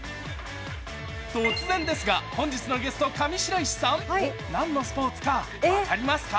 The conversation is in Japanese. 突然ですが、本日のゲスト上白石さん！何のスポーツか分かりますか？